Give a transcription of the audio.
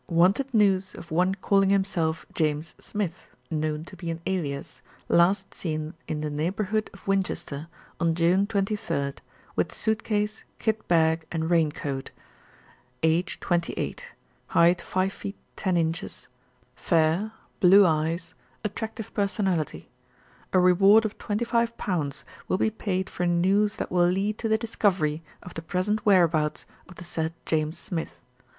Wanted news of one calling him self James Smith (known to be an alias), last seen in the neighbourhood of Winchester on June 23rd, with suit case, kit bag and rain coat. Age 28, height 5 ft. 10 in., fair, blue eyes, attractive personality. A reward of 25 will be paid for news that will lead to the discovery of the present whereabouts of the said James Smith.